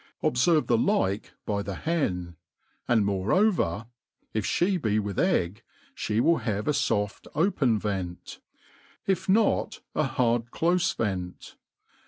Obfcrve the like by the hen ) add nioreover, if ihe be with ?g, ihe will have a foft open vent > if not, a hard clofe veni.